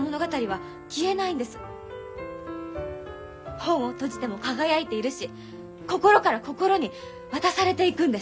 本を閉じても輝いているし心から心に渡されていくんです！